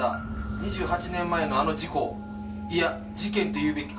「２８年前のあの事故いや事件と言うべきか」